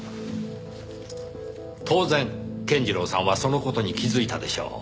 当然健次郎さんはその事に気づいたでしょう。